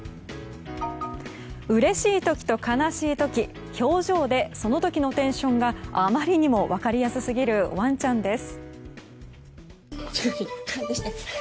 うれしい時と悲しい時表情でその時のテンションがあまりにも分かりやすすぎるワンちゃんです。